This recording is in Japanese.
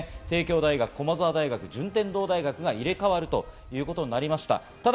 帝京大学、駒澤大学、順天堂大学が入れ替わるということになりました。